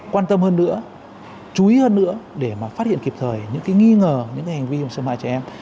quan tâm hơn nữa chú ý hơn nữa để mà phát hiện kịp thời những cái nghi ngờ những cái hành vi xâm hại trẻ em